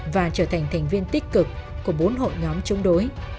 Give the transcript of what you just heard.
và trở thành thành viên tích cực của bốn hội nhóm chống đối